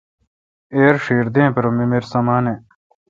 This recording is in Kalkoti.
ایر چھیر دین پر ممیر سمانہ